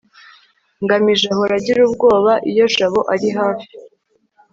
ngamije ahora agira ubwoba iyo jabo ari hafi